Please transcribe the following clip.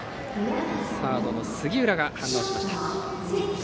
サードの杉浦が反応しました。